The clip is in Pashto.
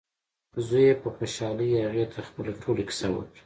زوی یې په خوشحالۍ هغې ته خپله ټوله کیسه وکړه.